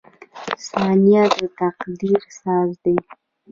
• ثانیه د تقدیر ساز دی.